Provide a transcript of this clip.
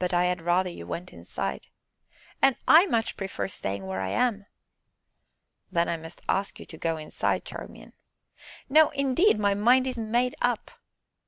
"But I had rather you went inside." "And I much prefer staying where I am." "Then I must ask you to go inside, Charmian." "No, indeed, my mind is made up."